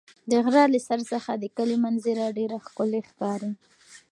د غره له سر څخه د کلي منظره ډېره ښکلې ښکاري.